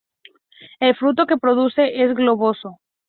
El fruto que produce es globoso.